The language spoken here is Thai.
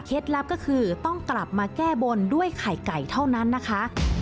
ลับก็คือต้องกลับมาแก้บนด้วยไข่ไก่เท่านั้นนะคะ